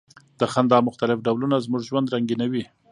د خندا مختلف ډولونه زموږ ژوند رنګینوي.